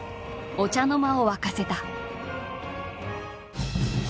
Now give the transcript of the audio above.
お茶の間を沸かせた。